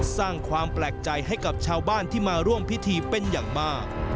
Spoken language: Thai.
สร้างความแปลกใจให้กับชาวบ้านที่มาร่วมพิธีเป็นอย่างมาก